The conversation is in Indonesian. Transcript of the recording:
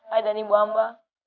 ayah dan ibu hamba